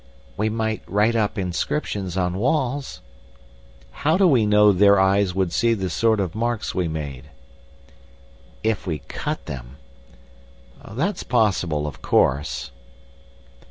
"We might write up inscriptions on walls—" "How do we know their eyes would see the sort of marks we made?" "If we cut them—" "That's possible, of course."